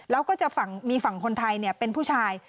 แล้วก็จะมีฝั่งคนไทยเป็นผู้ชาย